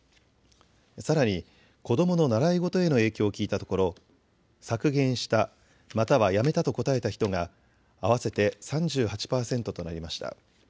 さらに子どもの習い事への影響を聞いたところ、削減したまたはやめたと答えた人が合わせて３８％となりました。